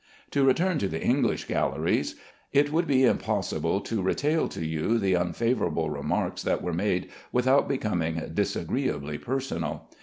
To return to the English galleries. It would be impossible to retail to you the unfavorable remarks that were made without becoming disagreeably personal.